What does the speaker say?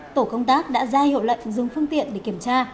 tổ công tác đã ra hiệu lệnh dừng phương tiện để kiểm tra